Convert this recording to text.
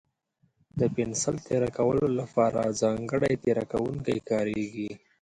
د پنسل تېره کولو لپاره ځانګړی تېره کوونکی کارېږي.